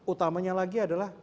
utamanya lagi adalah